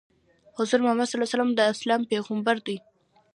حضرت محمد ﷺ د اسلام پیغمبر دی.